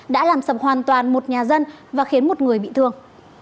đã làm sập hoàn toàn một nhà dân và khiến một người bị thương